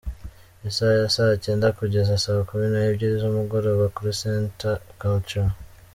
isaha ya saa cyenda kugeza saa kumi nebyiri zumugoroba kuri Centre Culturel.